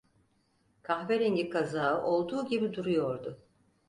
Kahverengi kazağı olduğu gibi duruyordu.